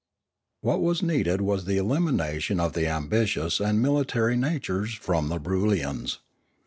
What was needed was the elimination of the ambitious and military natures from the Broolyians.